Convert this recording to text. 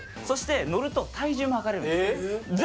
そして乗ると体重も測れるんです